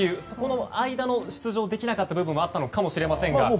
その間の出場できなかった部分もあったのかもしれませんが。